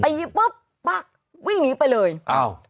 ปุ๊บปั๊กวิ่งหนีไปเลยอ้าว